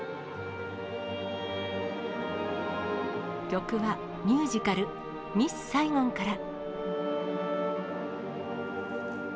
曲はミュージカル、ミス・サイゴンから。